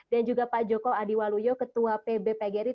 dan juga pak joko adiwaluyo ketua pb pgri